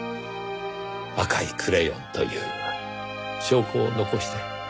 赤いクレヨンという証拠を残して。